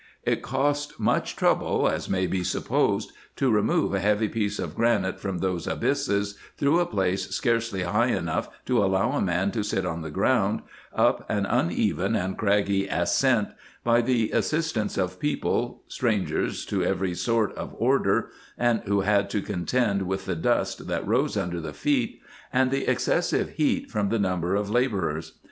It cost IN EGYPT, NUBIA, &c. 185 much trouble, as may be supposed, to remove a heavy piece of granite from those abysses, through a place scarcely high enough to allow a man to sit on the ground, up an uneven and craggy ascent, by the assistance of people, strangers to every sort of order, and who had to contend with the dust that rose under the feet, and the excessive heat from the number of labourers.